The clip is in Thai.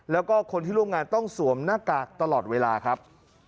แล้วก็คนที่ร่วมงานต้องสวมหน้ากากตลอดเวลาครับ